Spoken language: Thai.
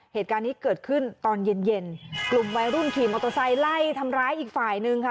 เหตุการณ์นี้เกิดขึ้นตอนเย็นเย็นกลุ่มวัยรุ่นขี่มอเตอร์ไซค์ไล่ทำร้ายอีกฝ่ายนึงค่ะ